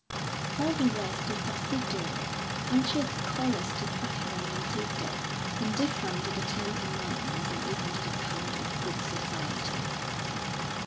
All the rest is subsidiary, and she is callous to suffering and to death, indifferent to the Ten Commandments and even to the code of Good Society.